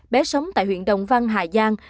bé sống tại huyện đồng văn hà giang